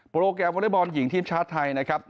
โปรแกรมวอเล็กบอลหญิงทีมชาติไทยนะครับ